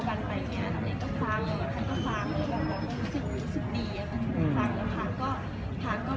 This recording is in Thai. ยากนะคะคือเหมือนเราเล่นโรงเรียนไม่จบไงเราก็กดดัน